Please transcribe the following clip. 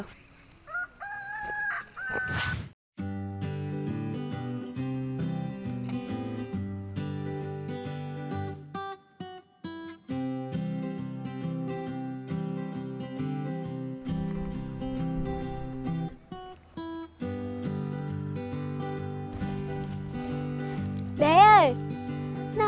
cô chào cháu